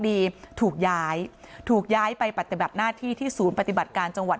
ถูกย้ายถูกย้ายไปปฏิบัติหน้าที่ที่ศูนย์ปฏิบัติการจังหวัด